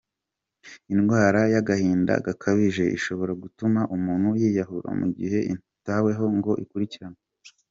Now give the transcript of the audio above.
Indwara y’agahinda gakabije ishobora gutuma umuntu yiyahura mu gihe ititaweho ngo ikurikiranwe.